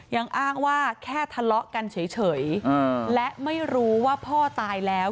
ยังอ้างว่าแค่ทะเลาะกันเฉยและไม่รู้ว่าพ่อตายแล้ว